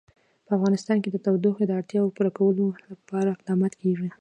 په افغانستان کې د تودوخه د اړتیاوو پوره کولو لپاره اقدامات کېږي.